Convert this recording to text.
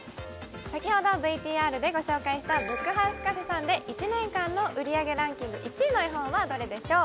先ほどＶＴＲでご紹介したブックハウスカフェさんで１年間の売り上げランキング１位の絵本はどれでしょう